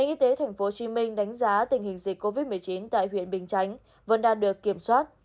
y tế tp hcm đánh giá tình hình dịch covid một mươi chín tại huyện bình chánh vẫn đang được kiểm soát